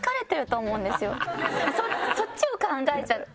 そっちを考えちゃって。